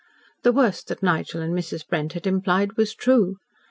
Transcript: The worst that Nigel and Mrs. Brent had implied was true.